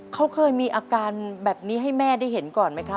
เขาเคยมีอาการแบบนี้ให้แม่ได้เห็นก่อนไหมครับ